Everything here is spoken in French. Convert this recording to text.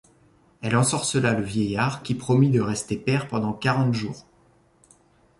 Elle ensorcela le vieillard, qui promit de rester père pendant quarante jours.